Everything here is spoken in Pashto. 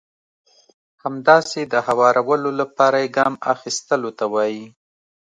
همداسې د هوارولو لپاره يې ګام اخيستلو ته وایي.